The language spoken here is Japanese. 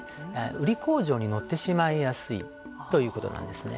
売り口上に乗ってしまいやすいということなんですね。